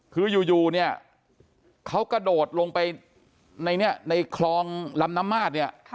คืออยู่เขากระโดดลงไปในคลองลำน้ำมาส